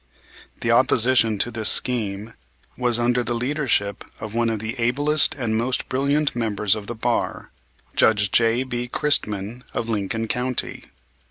The opposition to this scheme was under the leadership of one of the ablest and most brilliant members of the bar, Judge J.B. Christman, of Lincoln County.